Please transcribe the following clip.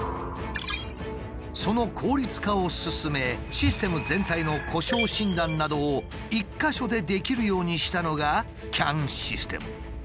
その効率化を進めシステム全体の故障診断などを１か所でできるようにしたのがＣＡＮシステム。